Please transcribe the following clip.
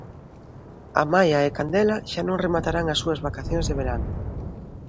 Amaia e Candela xa non rematarán as súas vacacións de verán.